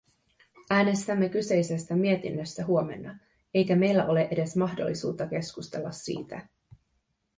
Äänestämme kyseisestä mietinnöstä huomenna, eikä meillä ole edes mahdollisuutta keskustella siitä.